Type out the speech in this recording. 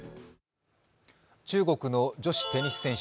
中国の女子テニス選手